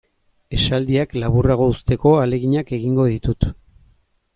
Esaldiak laburrago uzteko ahaleginak egingo ditut.